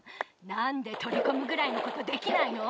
何で取りこむぐらいのことできないの？